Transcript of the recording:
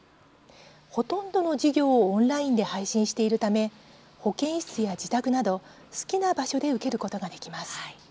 ほとんどの授業をオンラインで配信しているため保健室や自宅など、好きな場所で受けることができます。